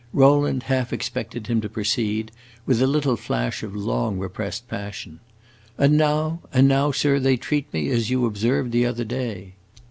Rowland half expected him to proceed, with a little flash of long repressed passion, "And now and now, sir, they treat me as you observed the other day!"